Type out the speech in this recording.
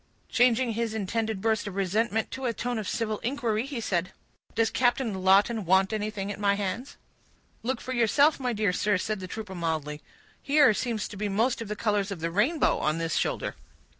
Changing his intended burst of resentment to a tone of civil inquiry, he said,— "Does Captain Lawton want anything at my hands?" "Look for yourself, my dear sir," said the trooper mildly. "Here seem to be most of the colors of the rainbow, on this shoulder."